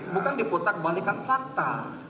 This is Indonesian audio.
bukan diputar balikan fakta